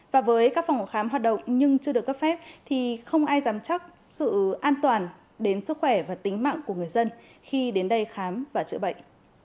và với các phòng khám hoạt động nhưng chưa được cấp phép thì không ai dám chắc sự an toàn đến sức khỏe và tính mạng của người dân khi đến đây khám và chữa bệnh